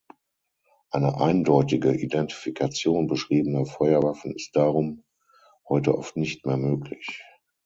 Eine eindeutige Identifikation beschriebener Feuerwaffen ist darum heute oft nicht mehr möglich.